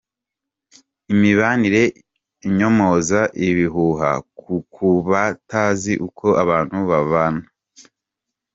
Imibanire inyomoza ibihuha ku kubatazi uko abantu babana